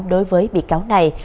đối với bị cáo này